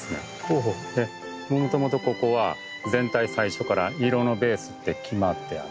もともとここは全体最初から色のベースって決まってあって。